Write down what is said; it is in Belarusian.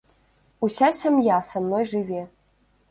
Уся сям'я са мной жыве.